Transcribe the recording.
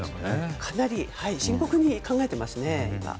かなり深刻に考えてますね。